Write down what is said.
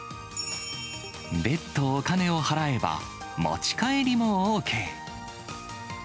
別途お金を払えば、持ち帰りもＯＫ。